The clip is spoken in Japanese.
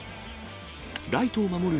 ライトを守る